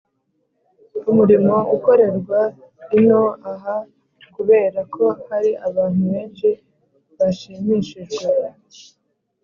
Umurimo ukorerwa ino aha kubera ko hari abantu benshi bashimishijwe